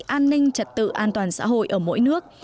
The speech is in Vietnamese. an ninh trật tự an toàn xã hội ở mỗi nước